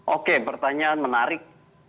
oke pertanyaan menarik